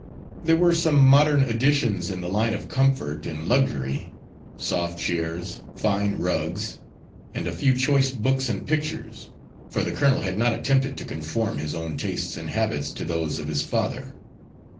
There were some modern additions in the line of comfort and luxury soft chairs, fine rugs, and a few choice books and pictures for the colonel had not attempted to conform his own tastes and habits to those of his father.